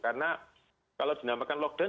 karena kalau dinamakan lockdown